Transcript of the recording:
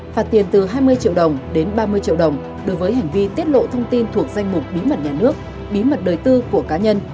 phạt tiền từ hai mươi triệu đồng đến ba mươi triệu đồng đối với hành vi tiết lộ thông tin thuộc danh mục bí mật nhà nước bí mật đời tư của cá nhân